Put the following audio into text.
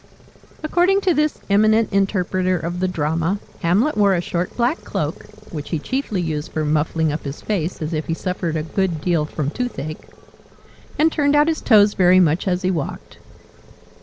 According to this eminent interpreter of the Drama, Hamlet wore a short black cloak (which he chiefly used for muffling up his face, as if he suffered a good deal from toothache), and turned out his toes very much as he walked.